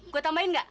gue tambahin gak